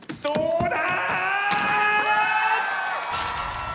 どうだ？